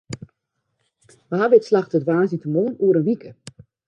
Wa wit slagget it woansdeitemoarn oer in wike.